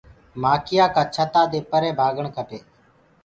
مآکيآ ڪآ ڇتآ دي پري ڀآگڻ کپي؟